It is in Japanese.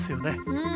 うん。